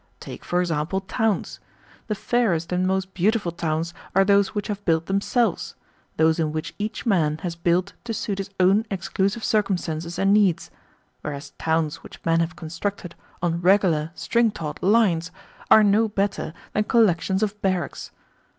Take, for example, towns. The fairest and most beautiful towns are those which have built themselves those in which each man has built to suit his own exclusive circumstances and needs; whereas towns which men have constructed on regular, string taut lines are no better than collections of barracks.